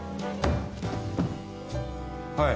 ☎はい。